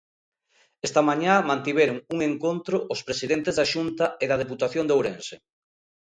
Esta mañá mantiveron un encontro os presidentes da Xunta e da Deputación de Ourense.